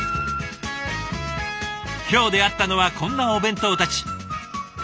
今日出会ったのはこんなお弁当たち。